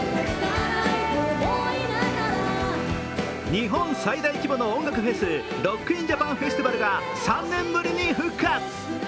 日本最大規模の音楽フェスロック・イン・ジャパン・フェスティバルが３年ぶりに復活。